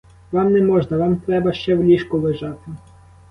Вам не можна, вам треба ще в ліжку лежати.